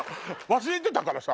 忘れてたからさ。